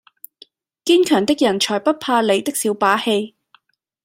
堅強的人才不怕你的小把戲！